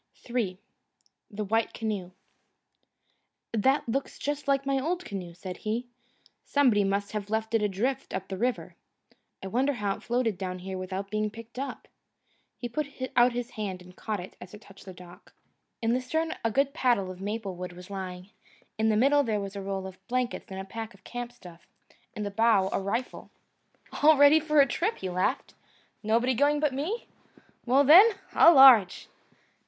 III The White Canoe "That looks just like my old canoe," said he. "Somebody must have left it adrift up the river. I wonder how it floated down here without being picked up." He put out his hand and caught it, as it touched the dock. In the stern a good paddle of maple wood was lying; in the middle there was a roll of blankets and a pack of camp stuff; in the bow a rifle. "All ready for a trip," he laughed. "Nobody going but me? Well, then, au large!"